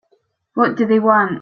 What do they want?